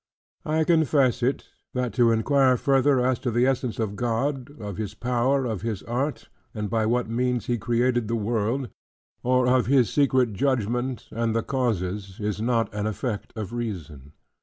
I confess it, that to inquire further, as to the essence of God, of His power, of His art, and by what means He created the world: or of His secret judgment, and the causes, is not an effect of reason.